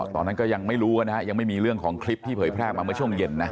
ตอนนั้นก็ยังไม่รู้กันนะฮะยังไม่มีเรื่องของคลิปที่เผยแพร่มาเมื่อช่วงเย็นนะ